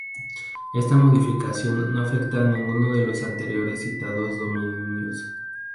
Esta modificación no afecta a ninguno de los anteriormente citados dominios.